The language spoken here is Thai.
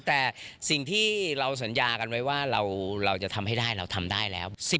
แต่สิ่งที่เราสัญญากันไว้ว่าเราจะทำให้ได้เราทำได้แล้ว